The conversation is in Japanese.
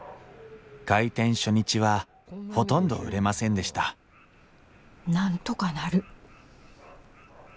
開店初日はほとんど売れませんでしたなんとかなる。